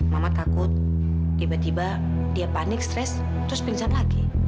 mamat takut tiba tiba dia panik stres terus pingsan lagi